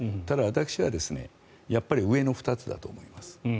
ただ私は上の２つだと思います。